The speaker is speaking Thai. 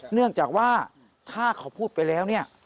เนื่องจากถ้าเขาพูดไปแล้ว